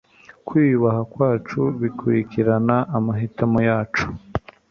kwiyubaha kwacu bikurikirana amahitamo yacu